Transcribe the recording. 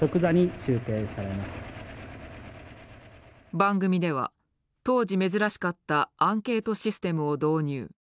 番組では当時珍しかったアンケートシステムを導入。